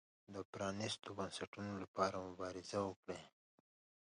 د پرانیستو بنسټونو لپاره مبارزه وکړي.